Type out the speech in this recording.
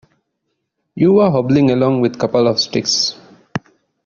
You were hobbling along with a couple of sticks!